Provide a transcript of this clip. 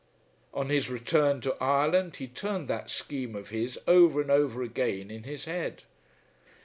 On his return to Ireland he turned that scheme of his over and over again in his head.